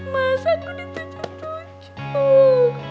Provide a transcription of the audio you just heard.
mas aku ditunjuk tunjuk